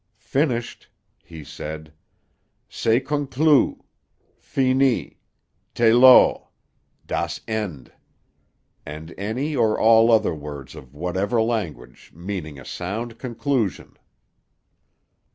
"Finished!" he said. "C'est conclu. Finis. Telos. Das Ende. And any or all other words of whatever language, meaning a sound conclusion!"